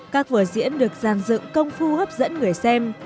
các vở diễn được giàn dựng công phu hấp dẫn người xem